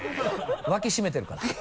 脇締めてるから。